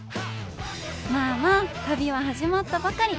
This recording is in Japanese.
まあまあ旅は始まったばかり。